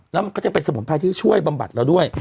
แล้วมันก็จะเป็นสมุนไพรที่ช่วยบำบัดเราด้วย